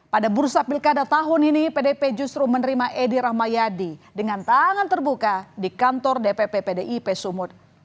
pada bursa pilkada tahun ini pdip justru menerima edi rahmayadi dengan tangan terbuka di kantor dpp pdip sumut